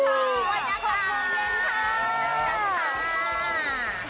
๖โมงเย็นค่ะ